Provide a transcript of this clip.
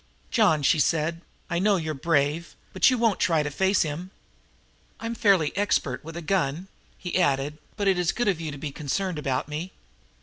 "John," she said, "I know you're brave, but you won't try to face him?" "I'm fairly expert with a gun." He added: "But it's good of you to be concerned about me."